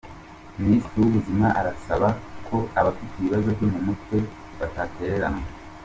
Minisitiri w’Ubuzima arasaba ko abafite ibibazo byo mu mutwe batatereranwa